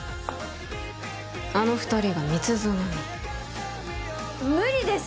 あの２人が蜜園に無理です